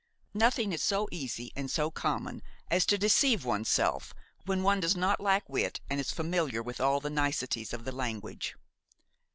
Nothing is so easy and so common as to deceive one's self when one does not lack wit and is familiar with all the niceties of the language.